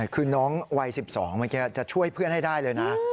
คือน้องวัย๑๒เมื่อกี้จะช่วยเพื่อนให้ได้เลยนะ